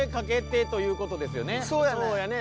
そうやね。